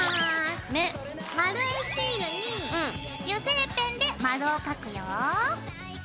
丸いシールに油性ペンで丸を描くよ。